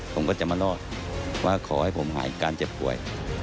ผมก็จะมารอดว่าขอให้ผมหายการเจ็บป่วย